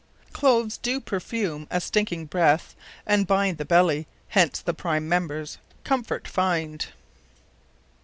_Cloves doe perfume a stincking Breath, and Bind The Belly; Hence the prime members comfort find.